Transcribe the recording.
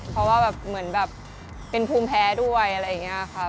เพราะว่าแบบเหมือนแบบเป็นภูมิแพ้ด้วยอะไรอย่างนี้ค่ะ